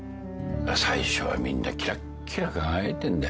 最初はみんなキラッキラ輝いてんだよ。